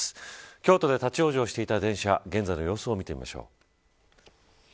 京都で立ち往生していた電車現在の様子を見てみましょう。